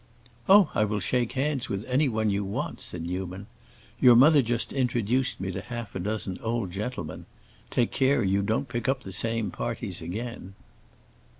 "Oh, I will shake hands with anyone you want," said Newman. "Your mother just introduced me to half a dozen old gentlemen. Take care you don't pick up the same parties again."